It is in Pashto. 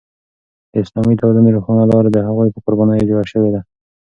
د اسلامي تمدن روښانه لاره د هغوی په قربانیو جوړه شوې ده.